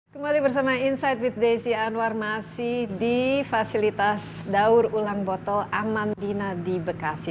kembali bersama insight with desi anwar masih di fasilitas daur ulang botol amandina di bekasi